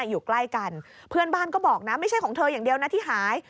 อยู่ใกล้กันเพื่อนบ้านก็บอกนะไม่ใช่ของเธออย่างเดียวนะที่หาย